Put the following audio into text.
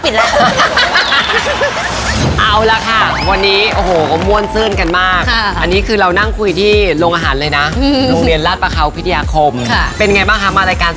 เดี๋ยวแต่ห้างจะปิดแล้วนะ